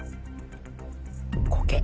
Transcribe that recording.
コケ。